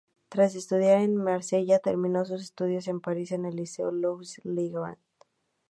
Tras estudiar en Marsella, terminó sus estudios en París en el Liceo Louis-le-Grand.